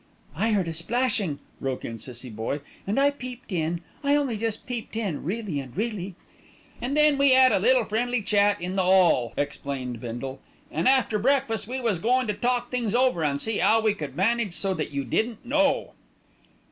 "I heard a splashing," broke in Cissie Boye, "and I peeped in, I only just peeped in, really and really." "An' then we 'ad a little friendly chat in the 'all," explained Bindle, "an' after breakfast we was goin' to talk things over, an' see 'ow we could manage so that you didn't know."